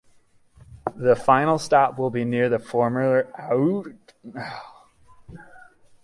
The final stop will be near the former Uithoorn railway station which still stands.